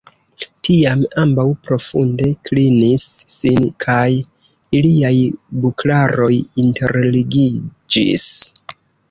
Tiam ambaŭ profunde klinis sin, kaj iliaj buklaroj interligiĝis.